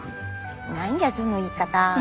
何やその言い方。